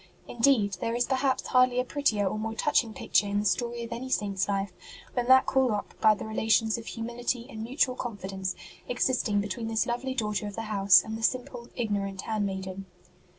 Indeed, there is per haps hardly a prettier or more touching picture in the story of any Saint s life than that called up by the relations of humility and mutual confidence existing between this lovely daughter of the house and the simple, ignorant hand maiden.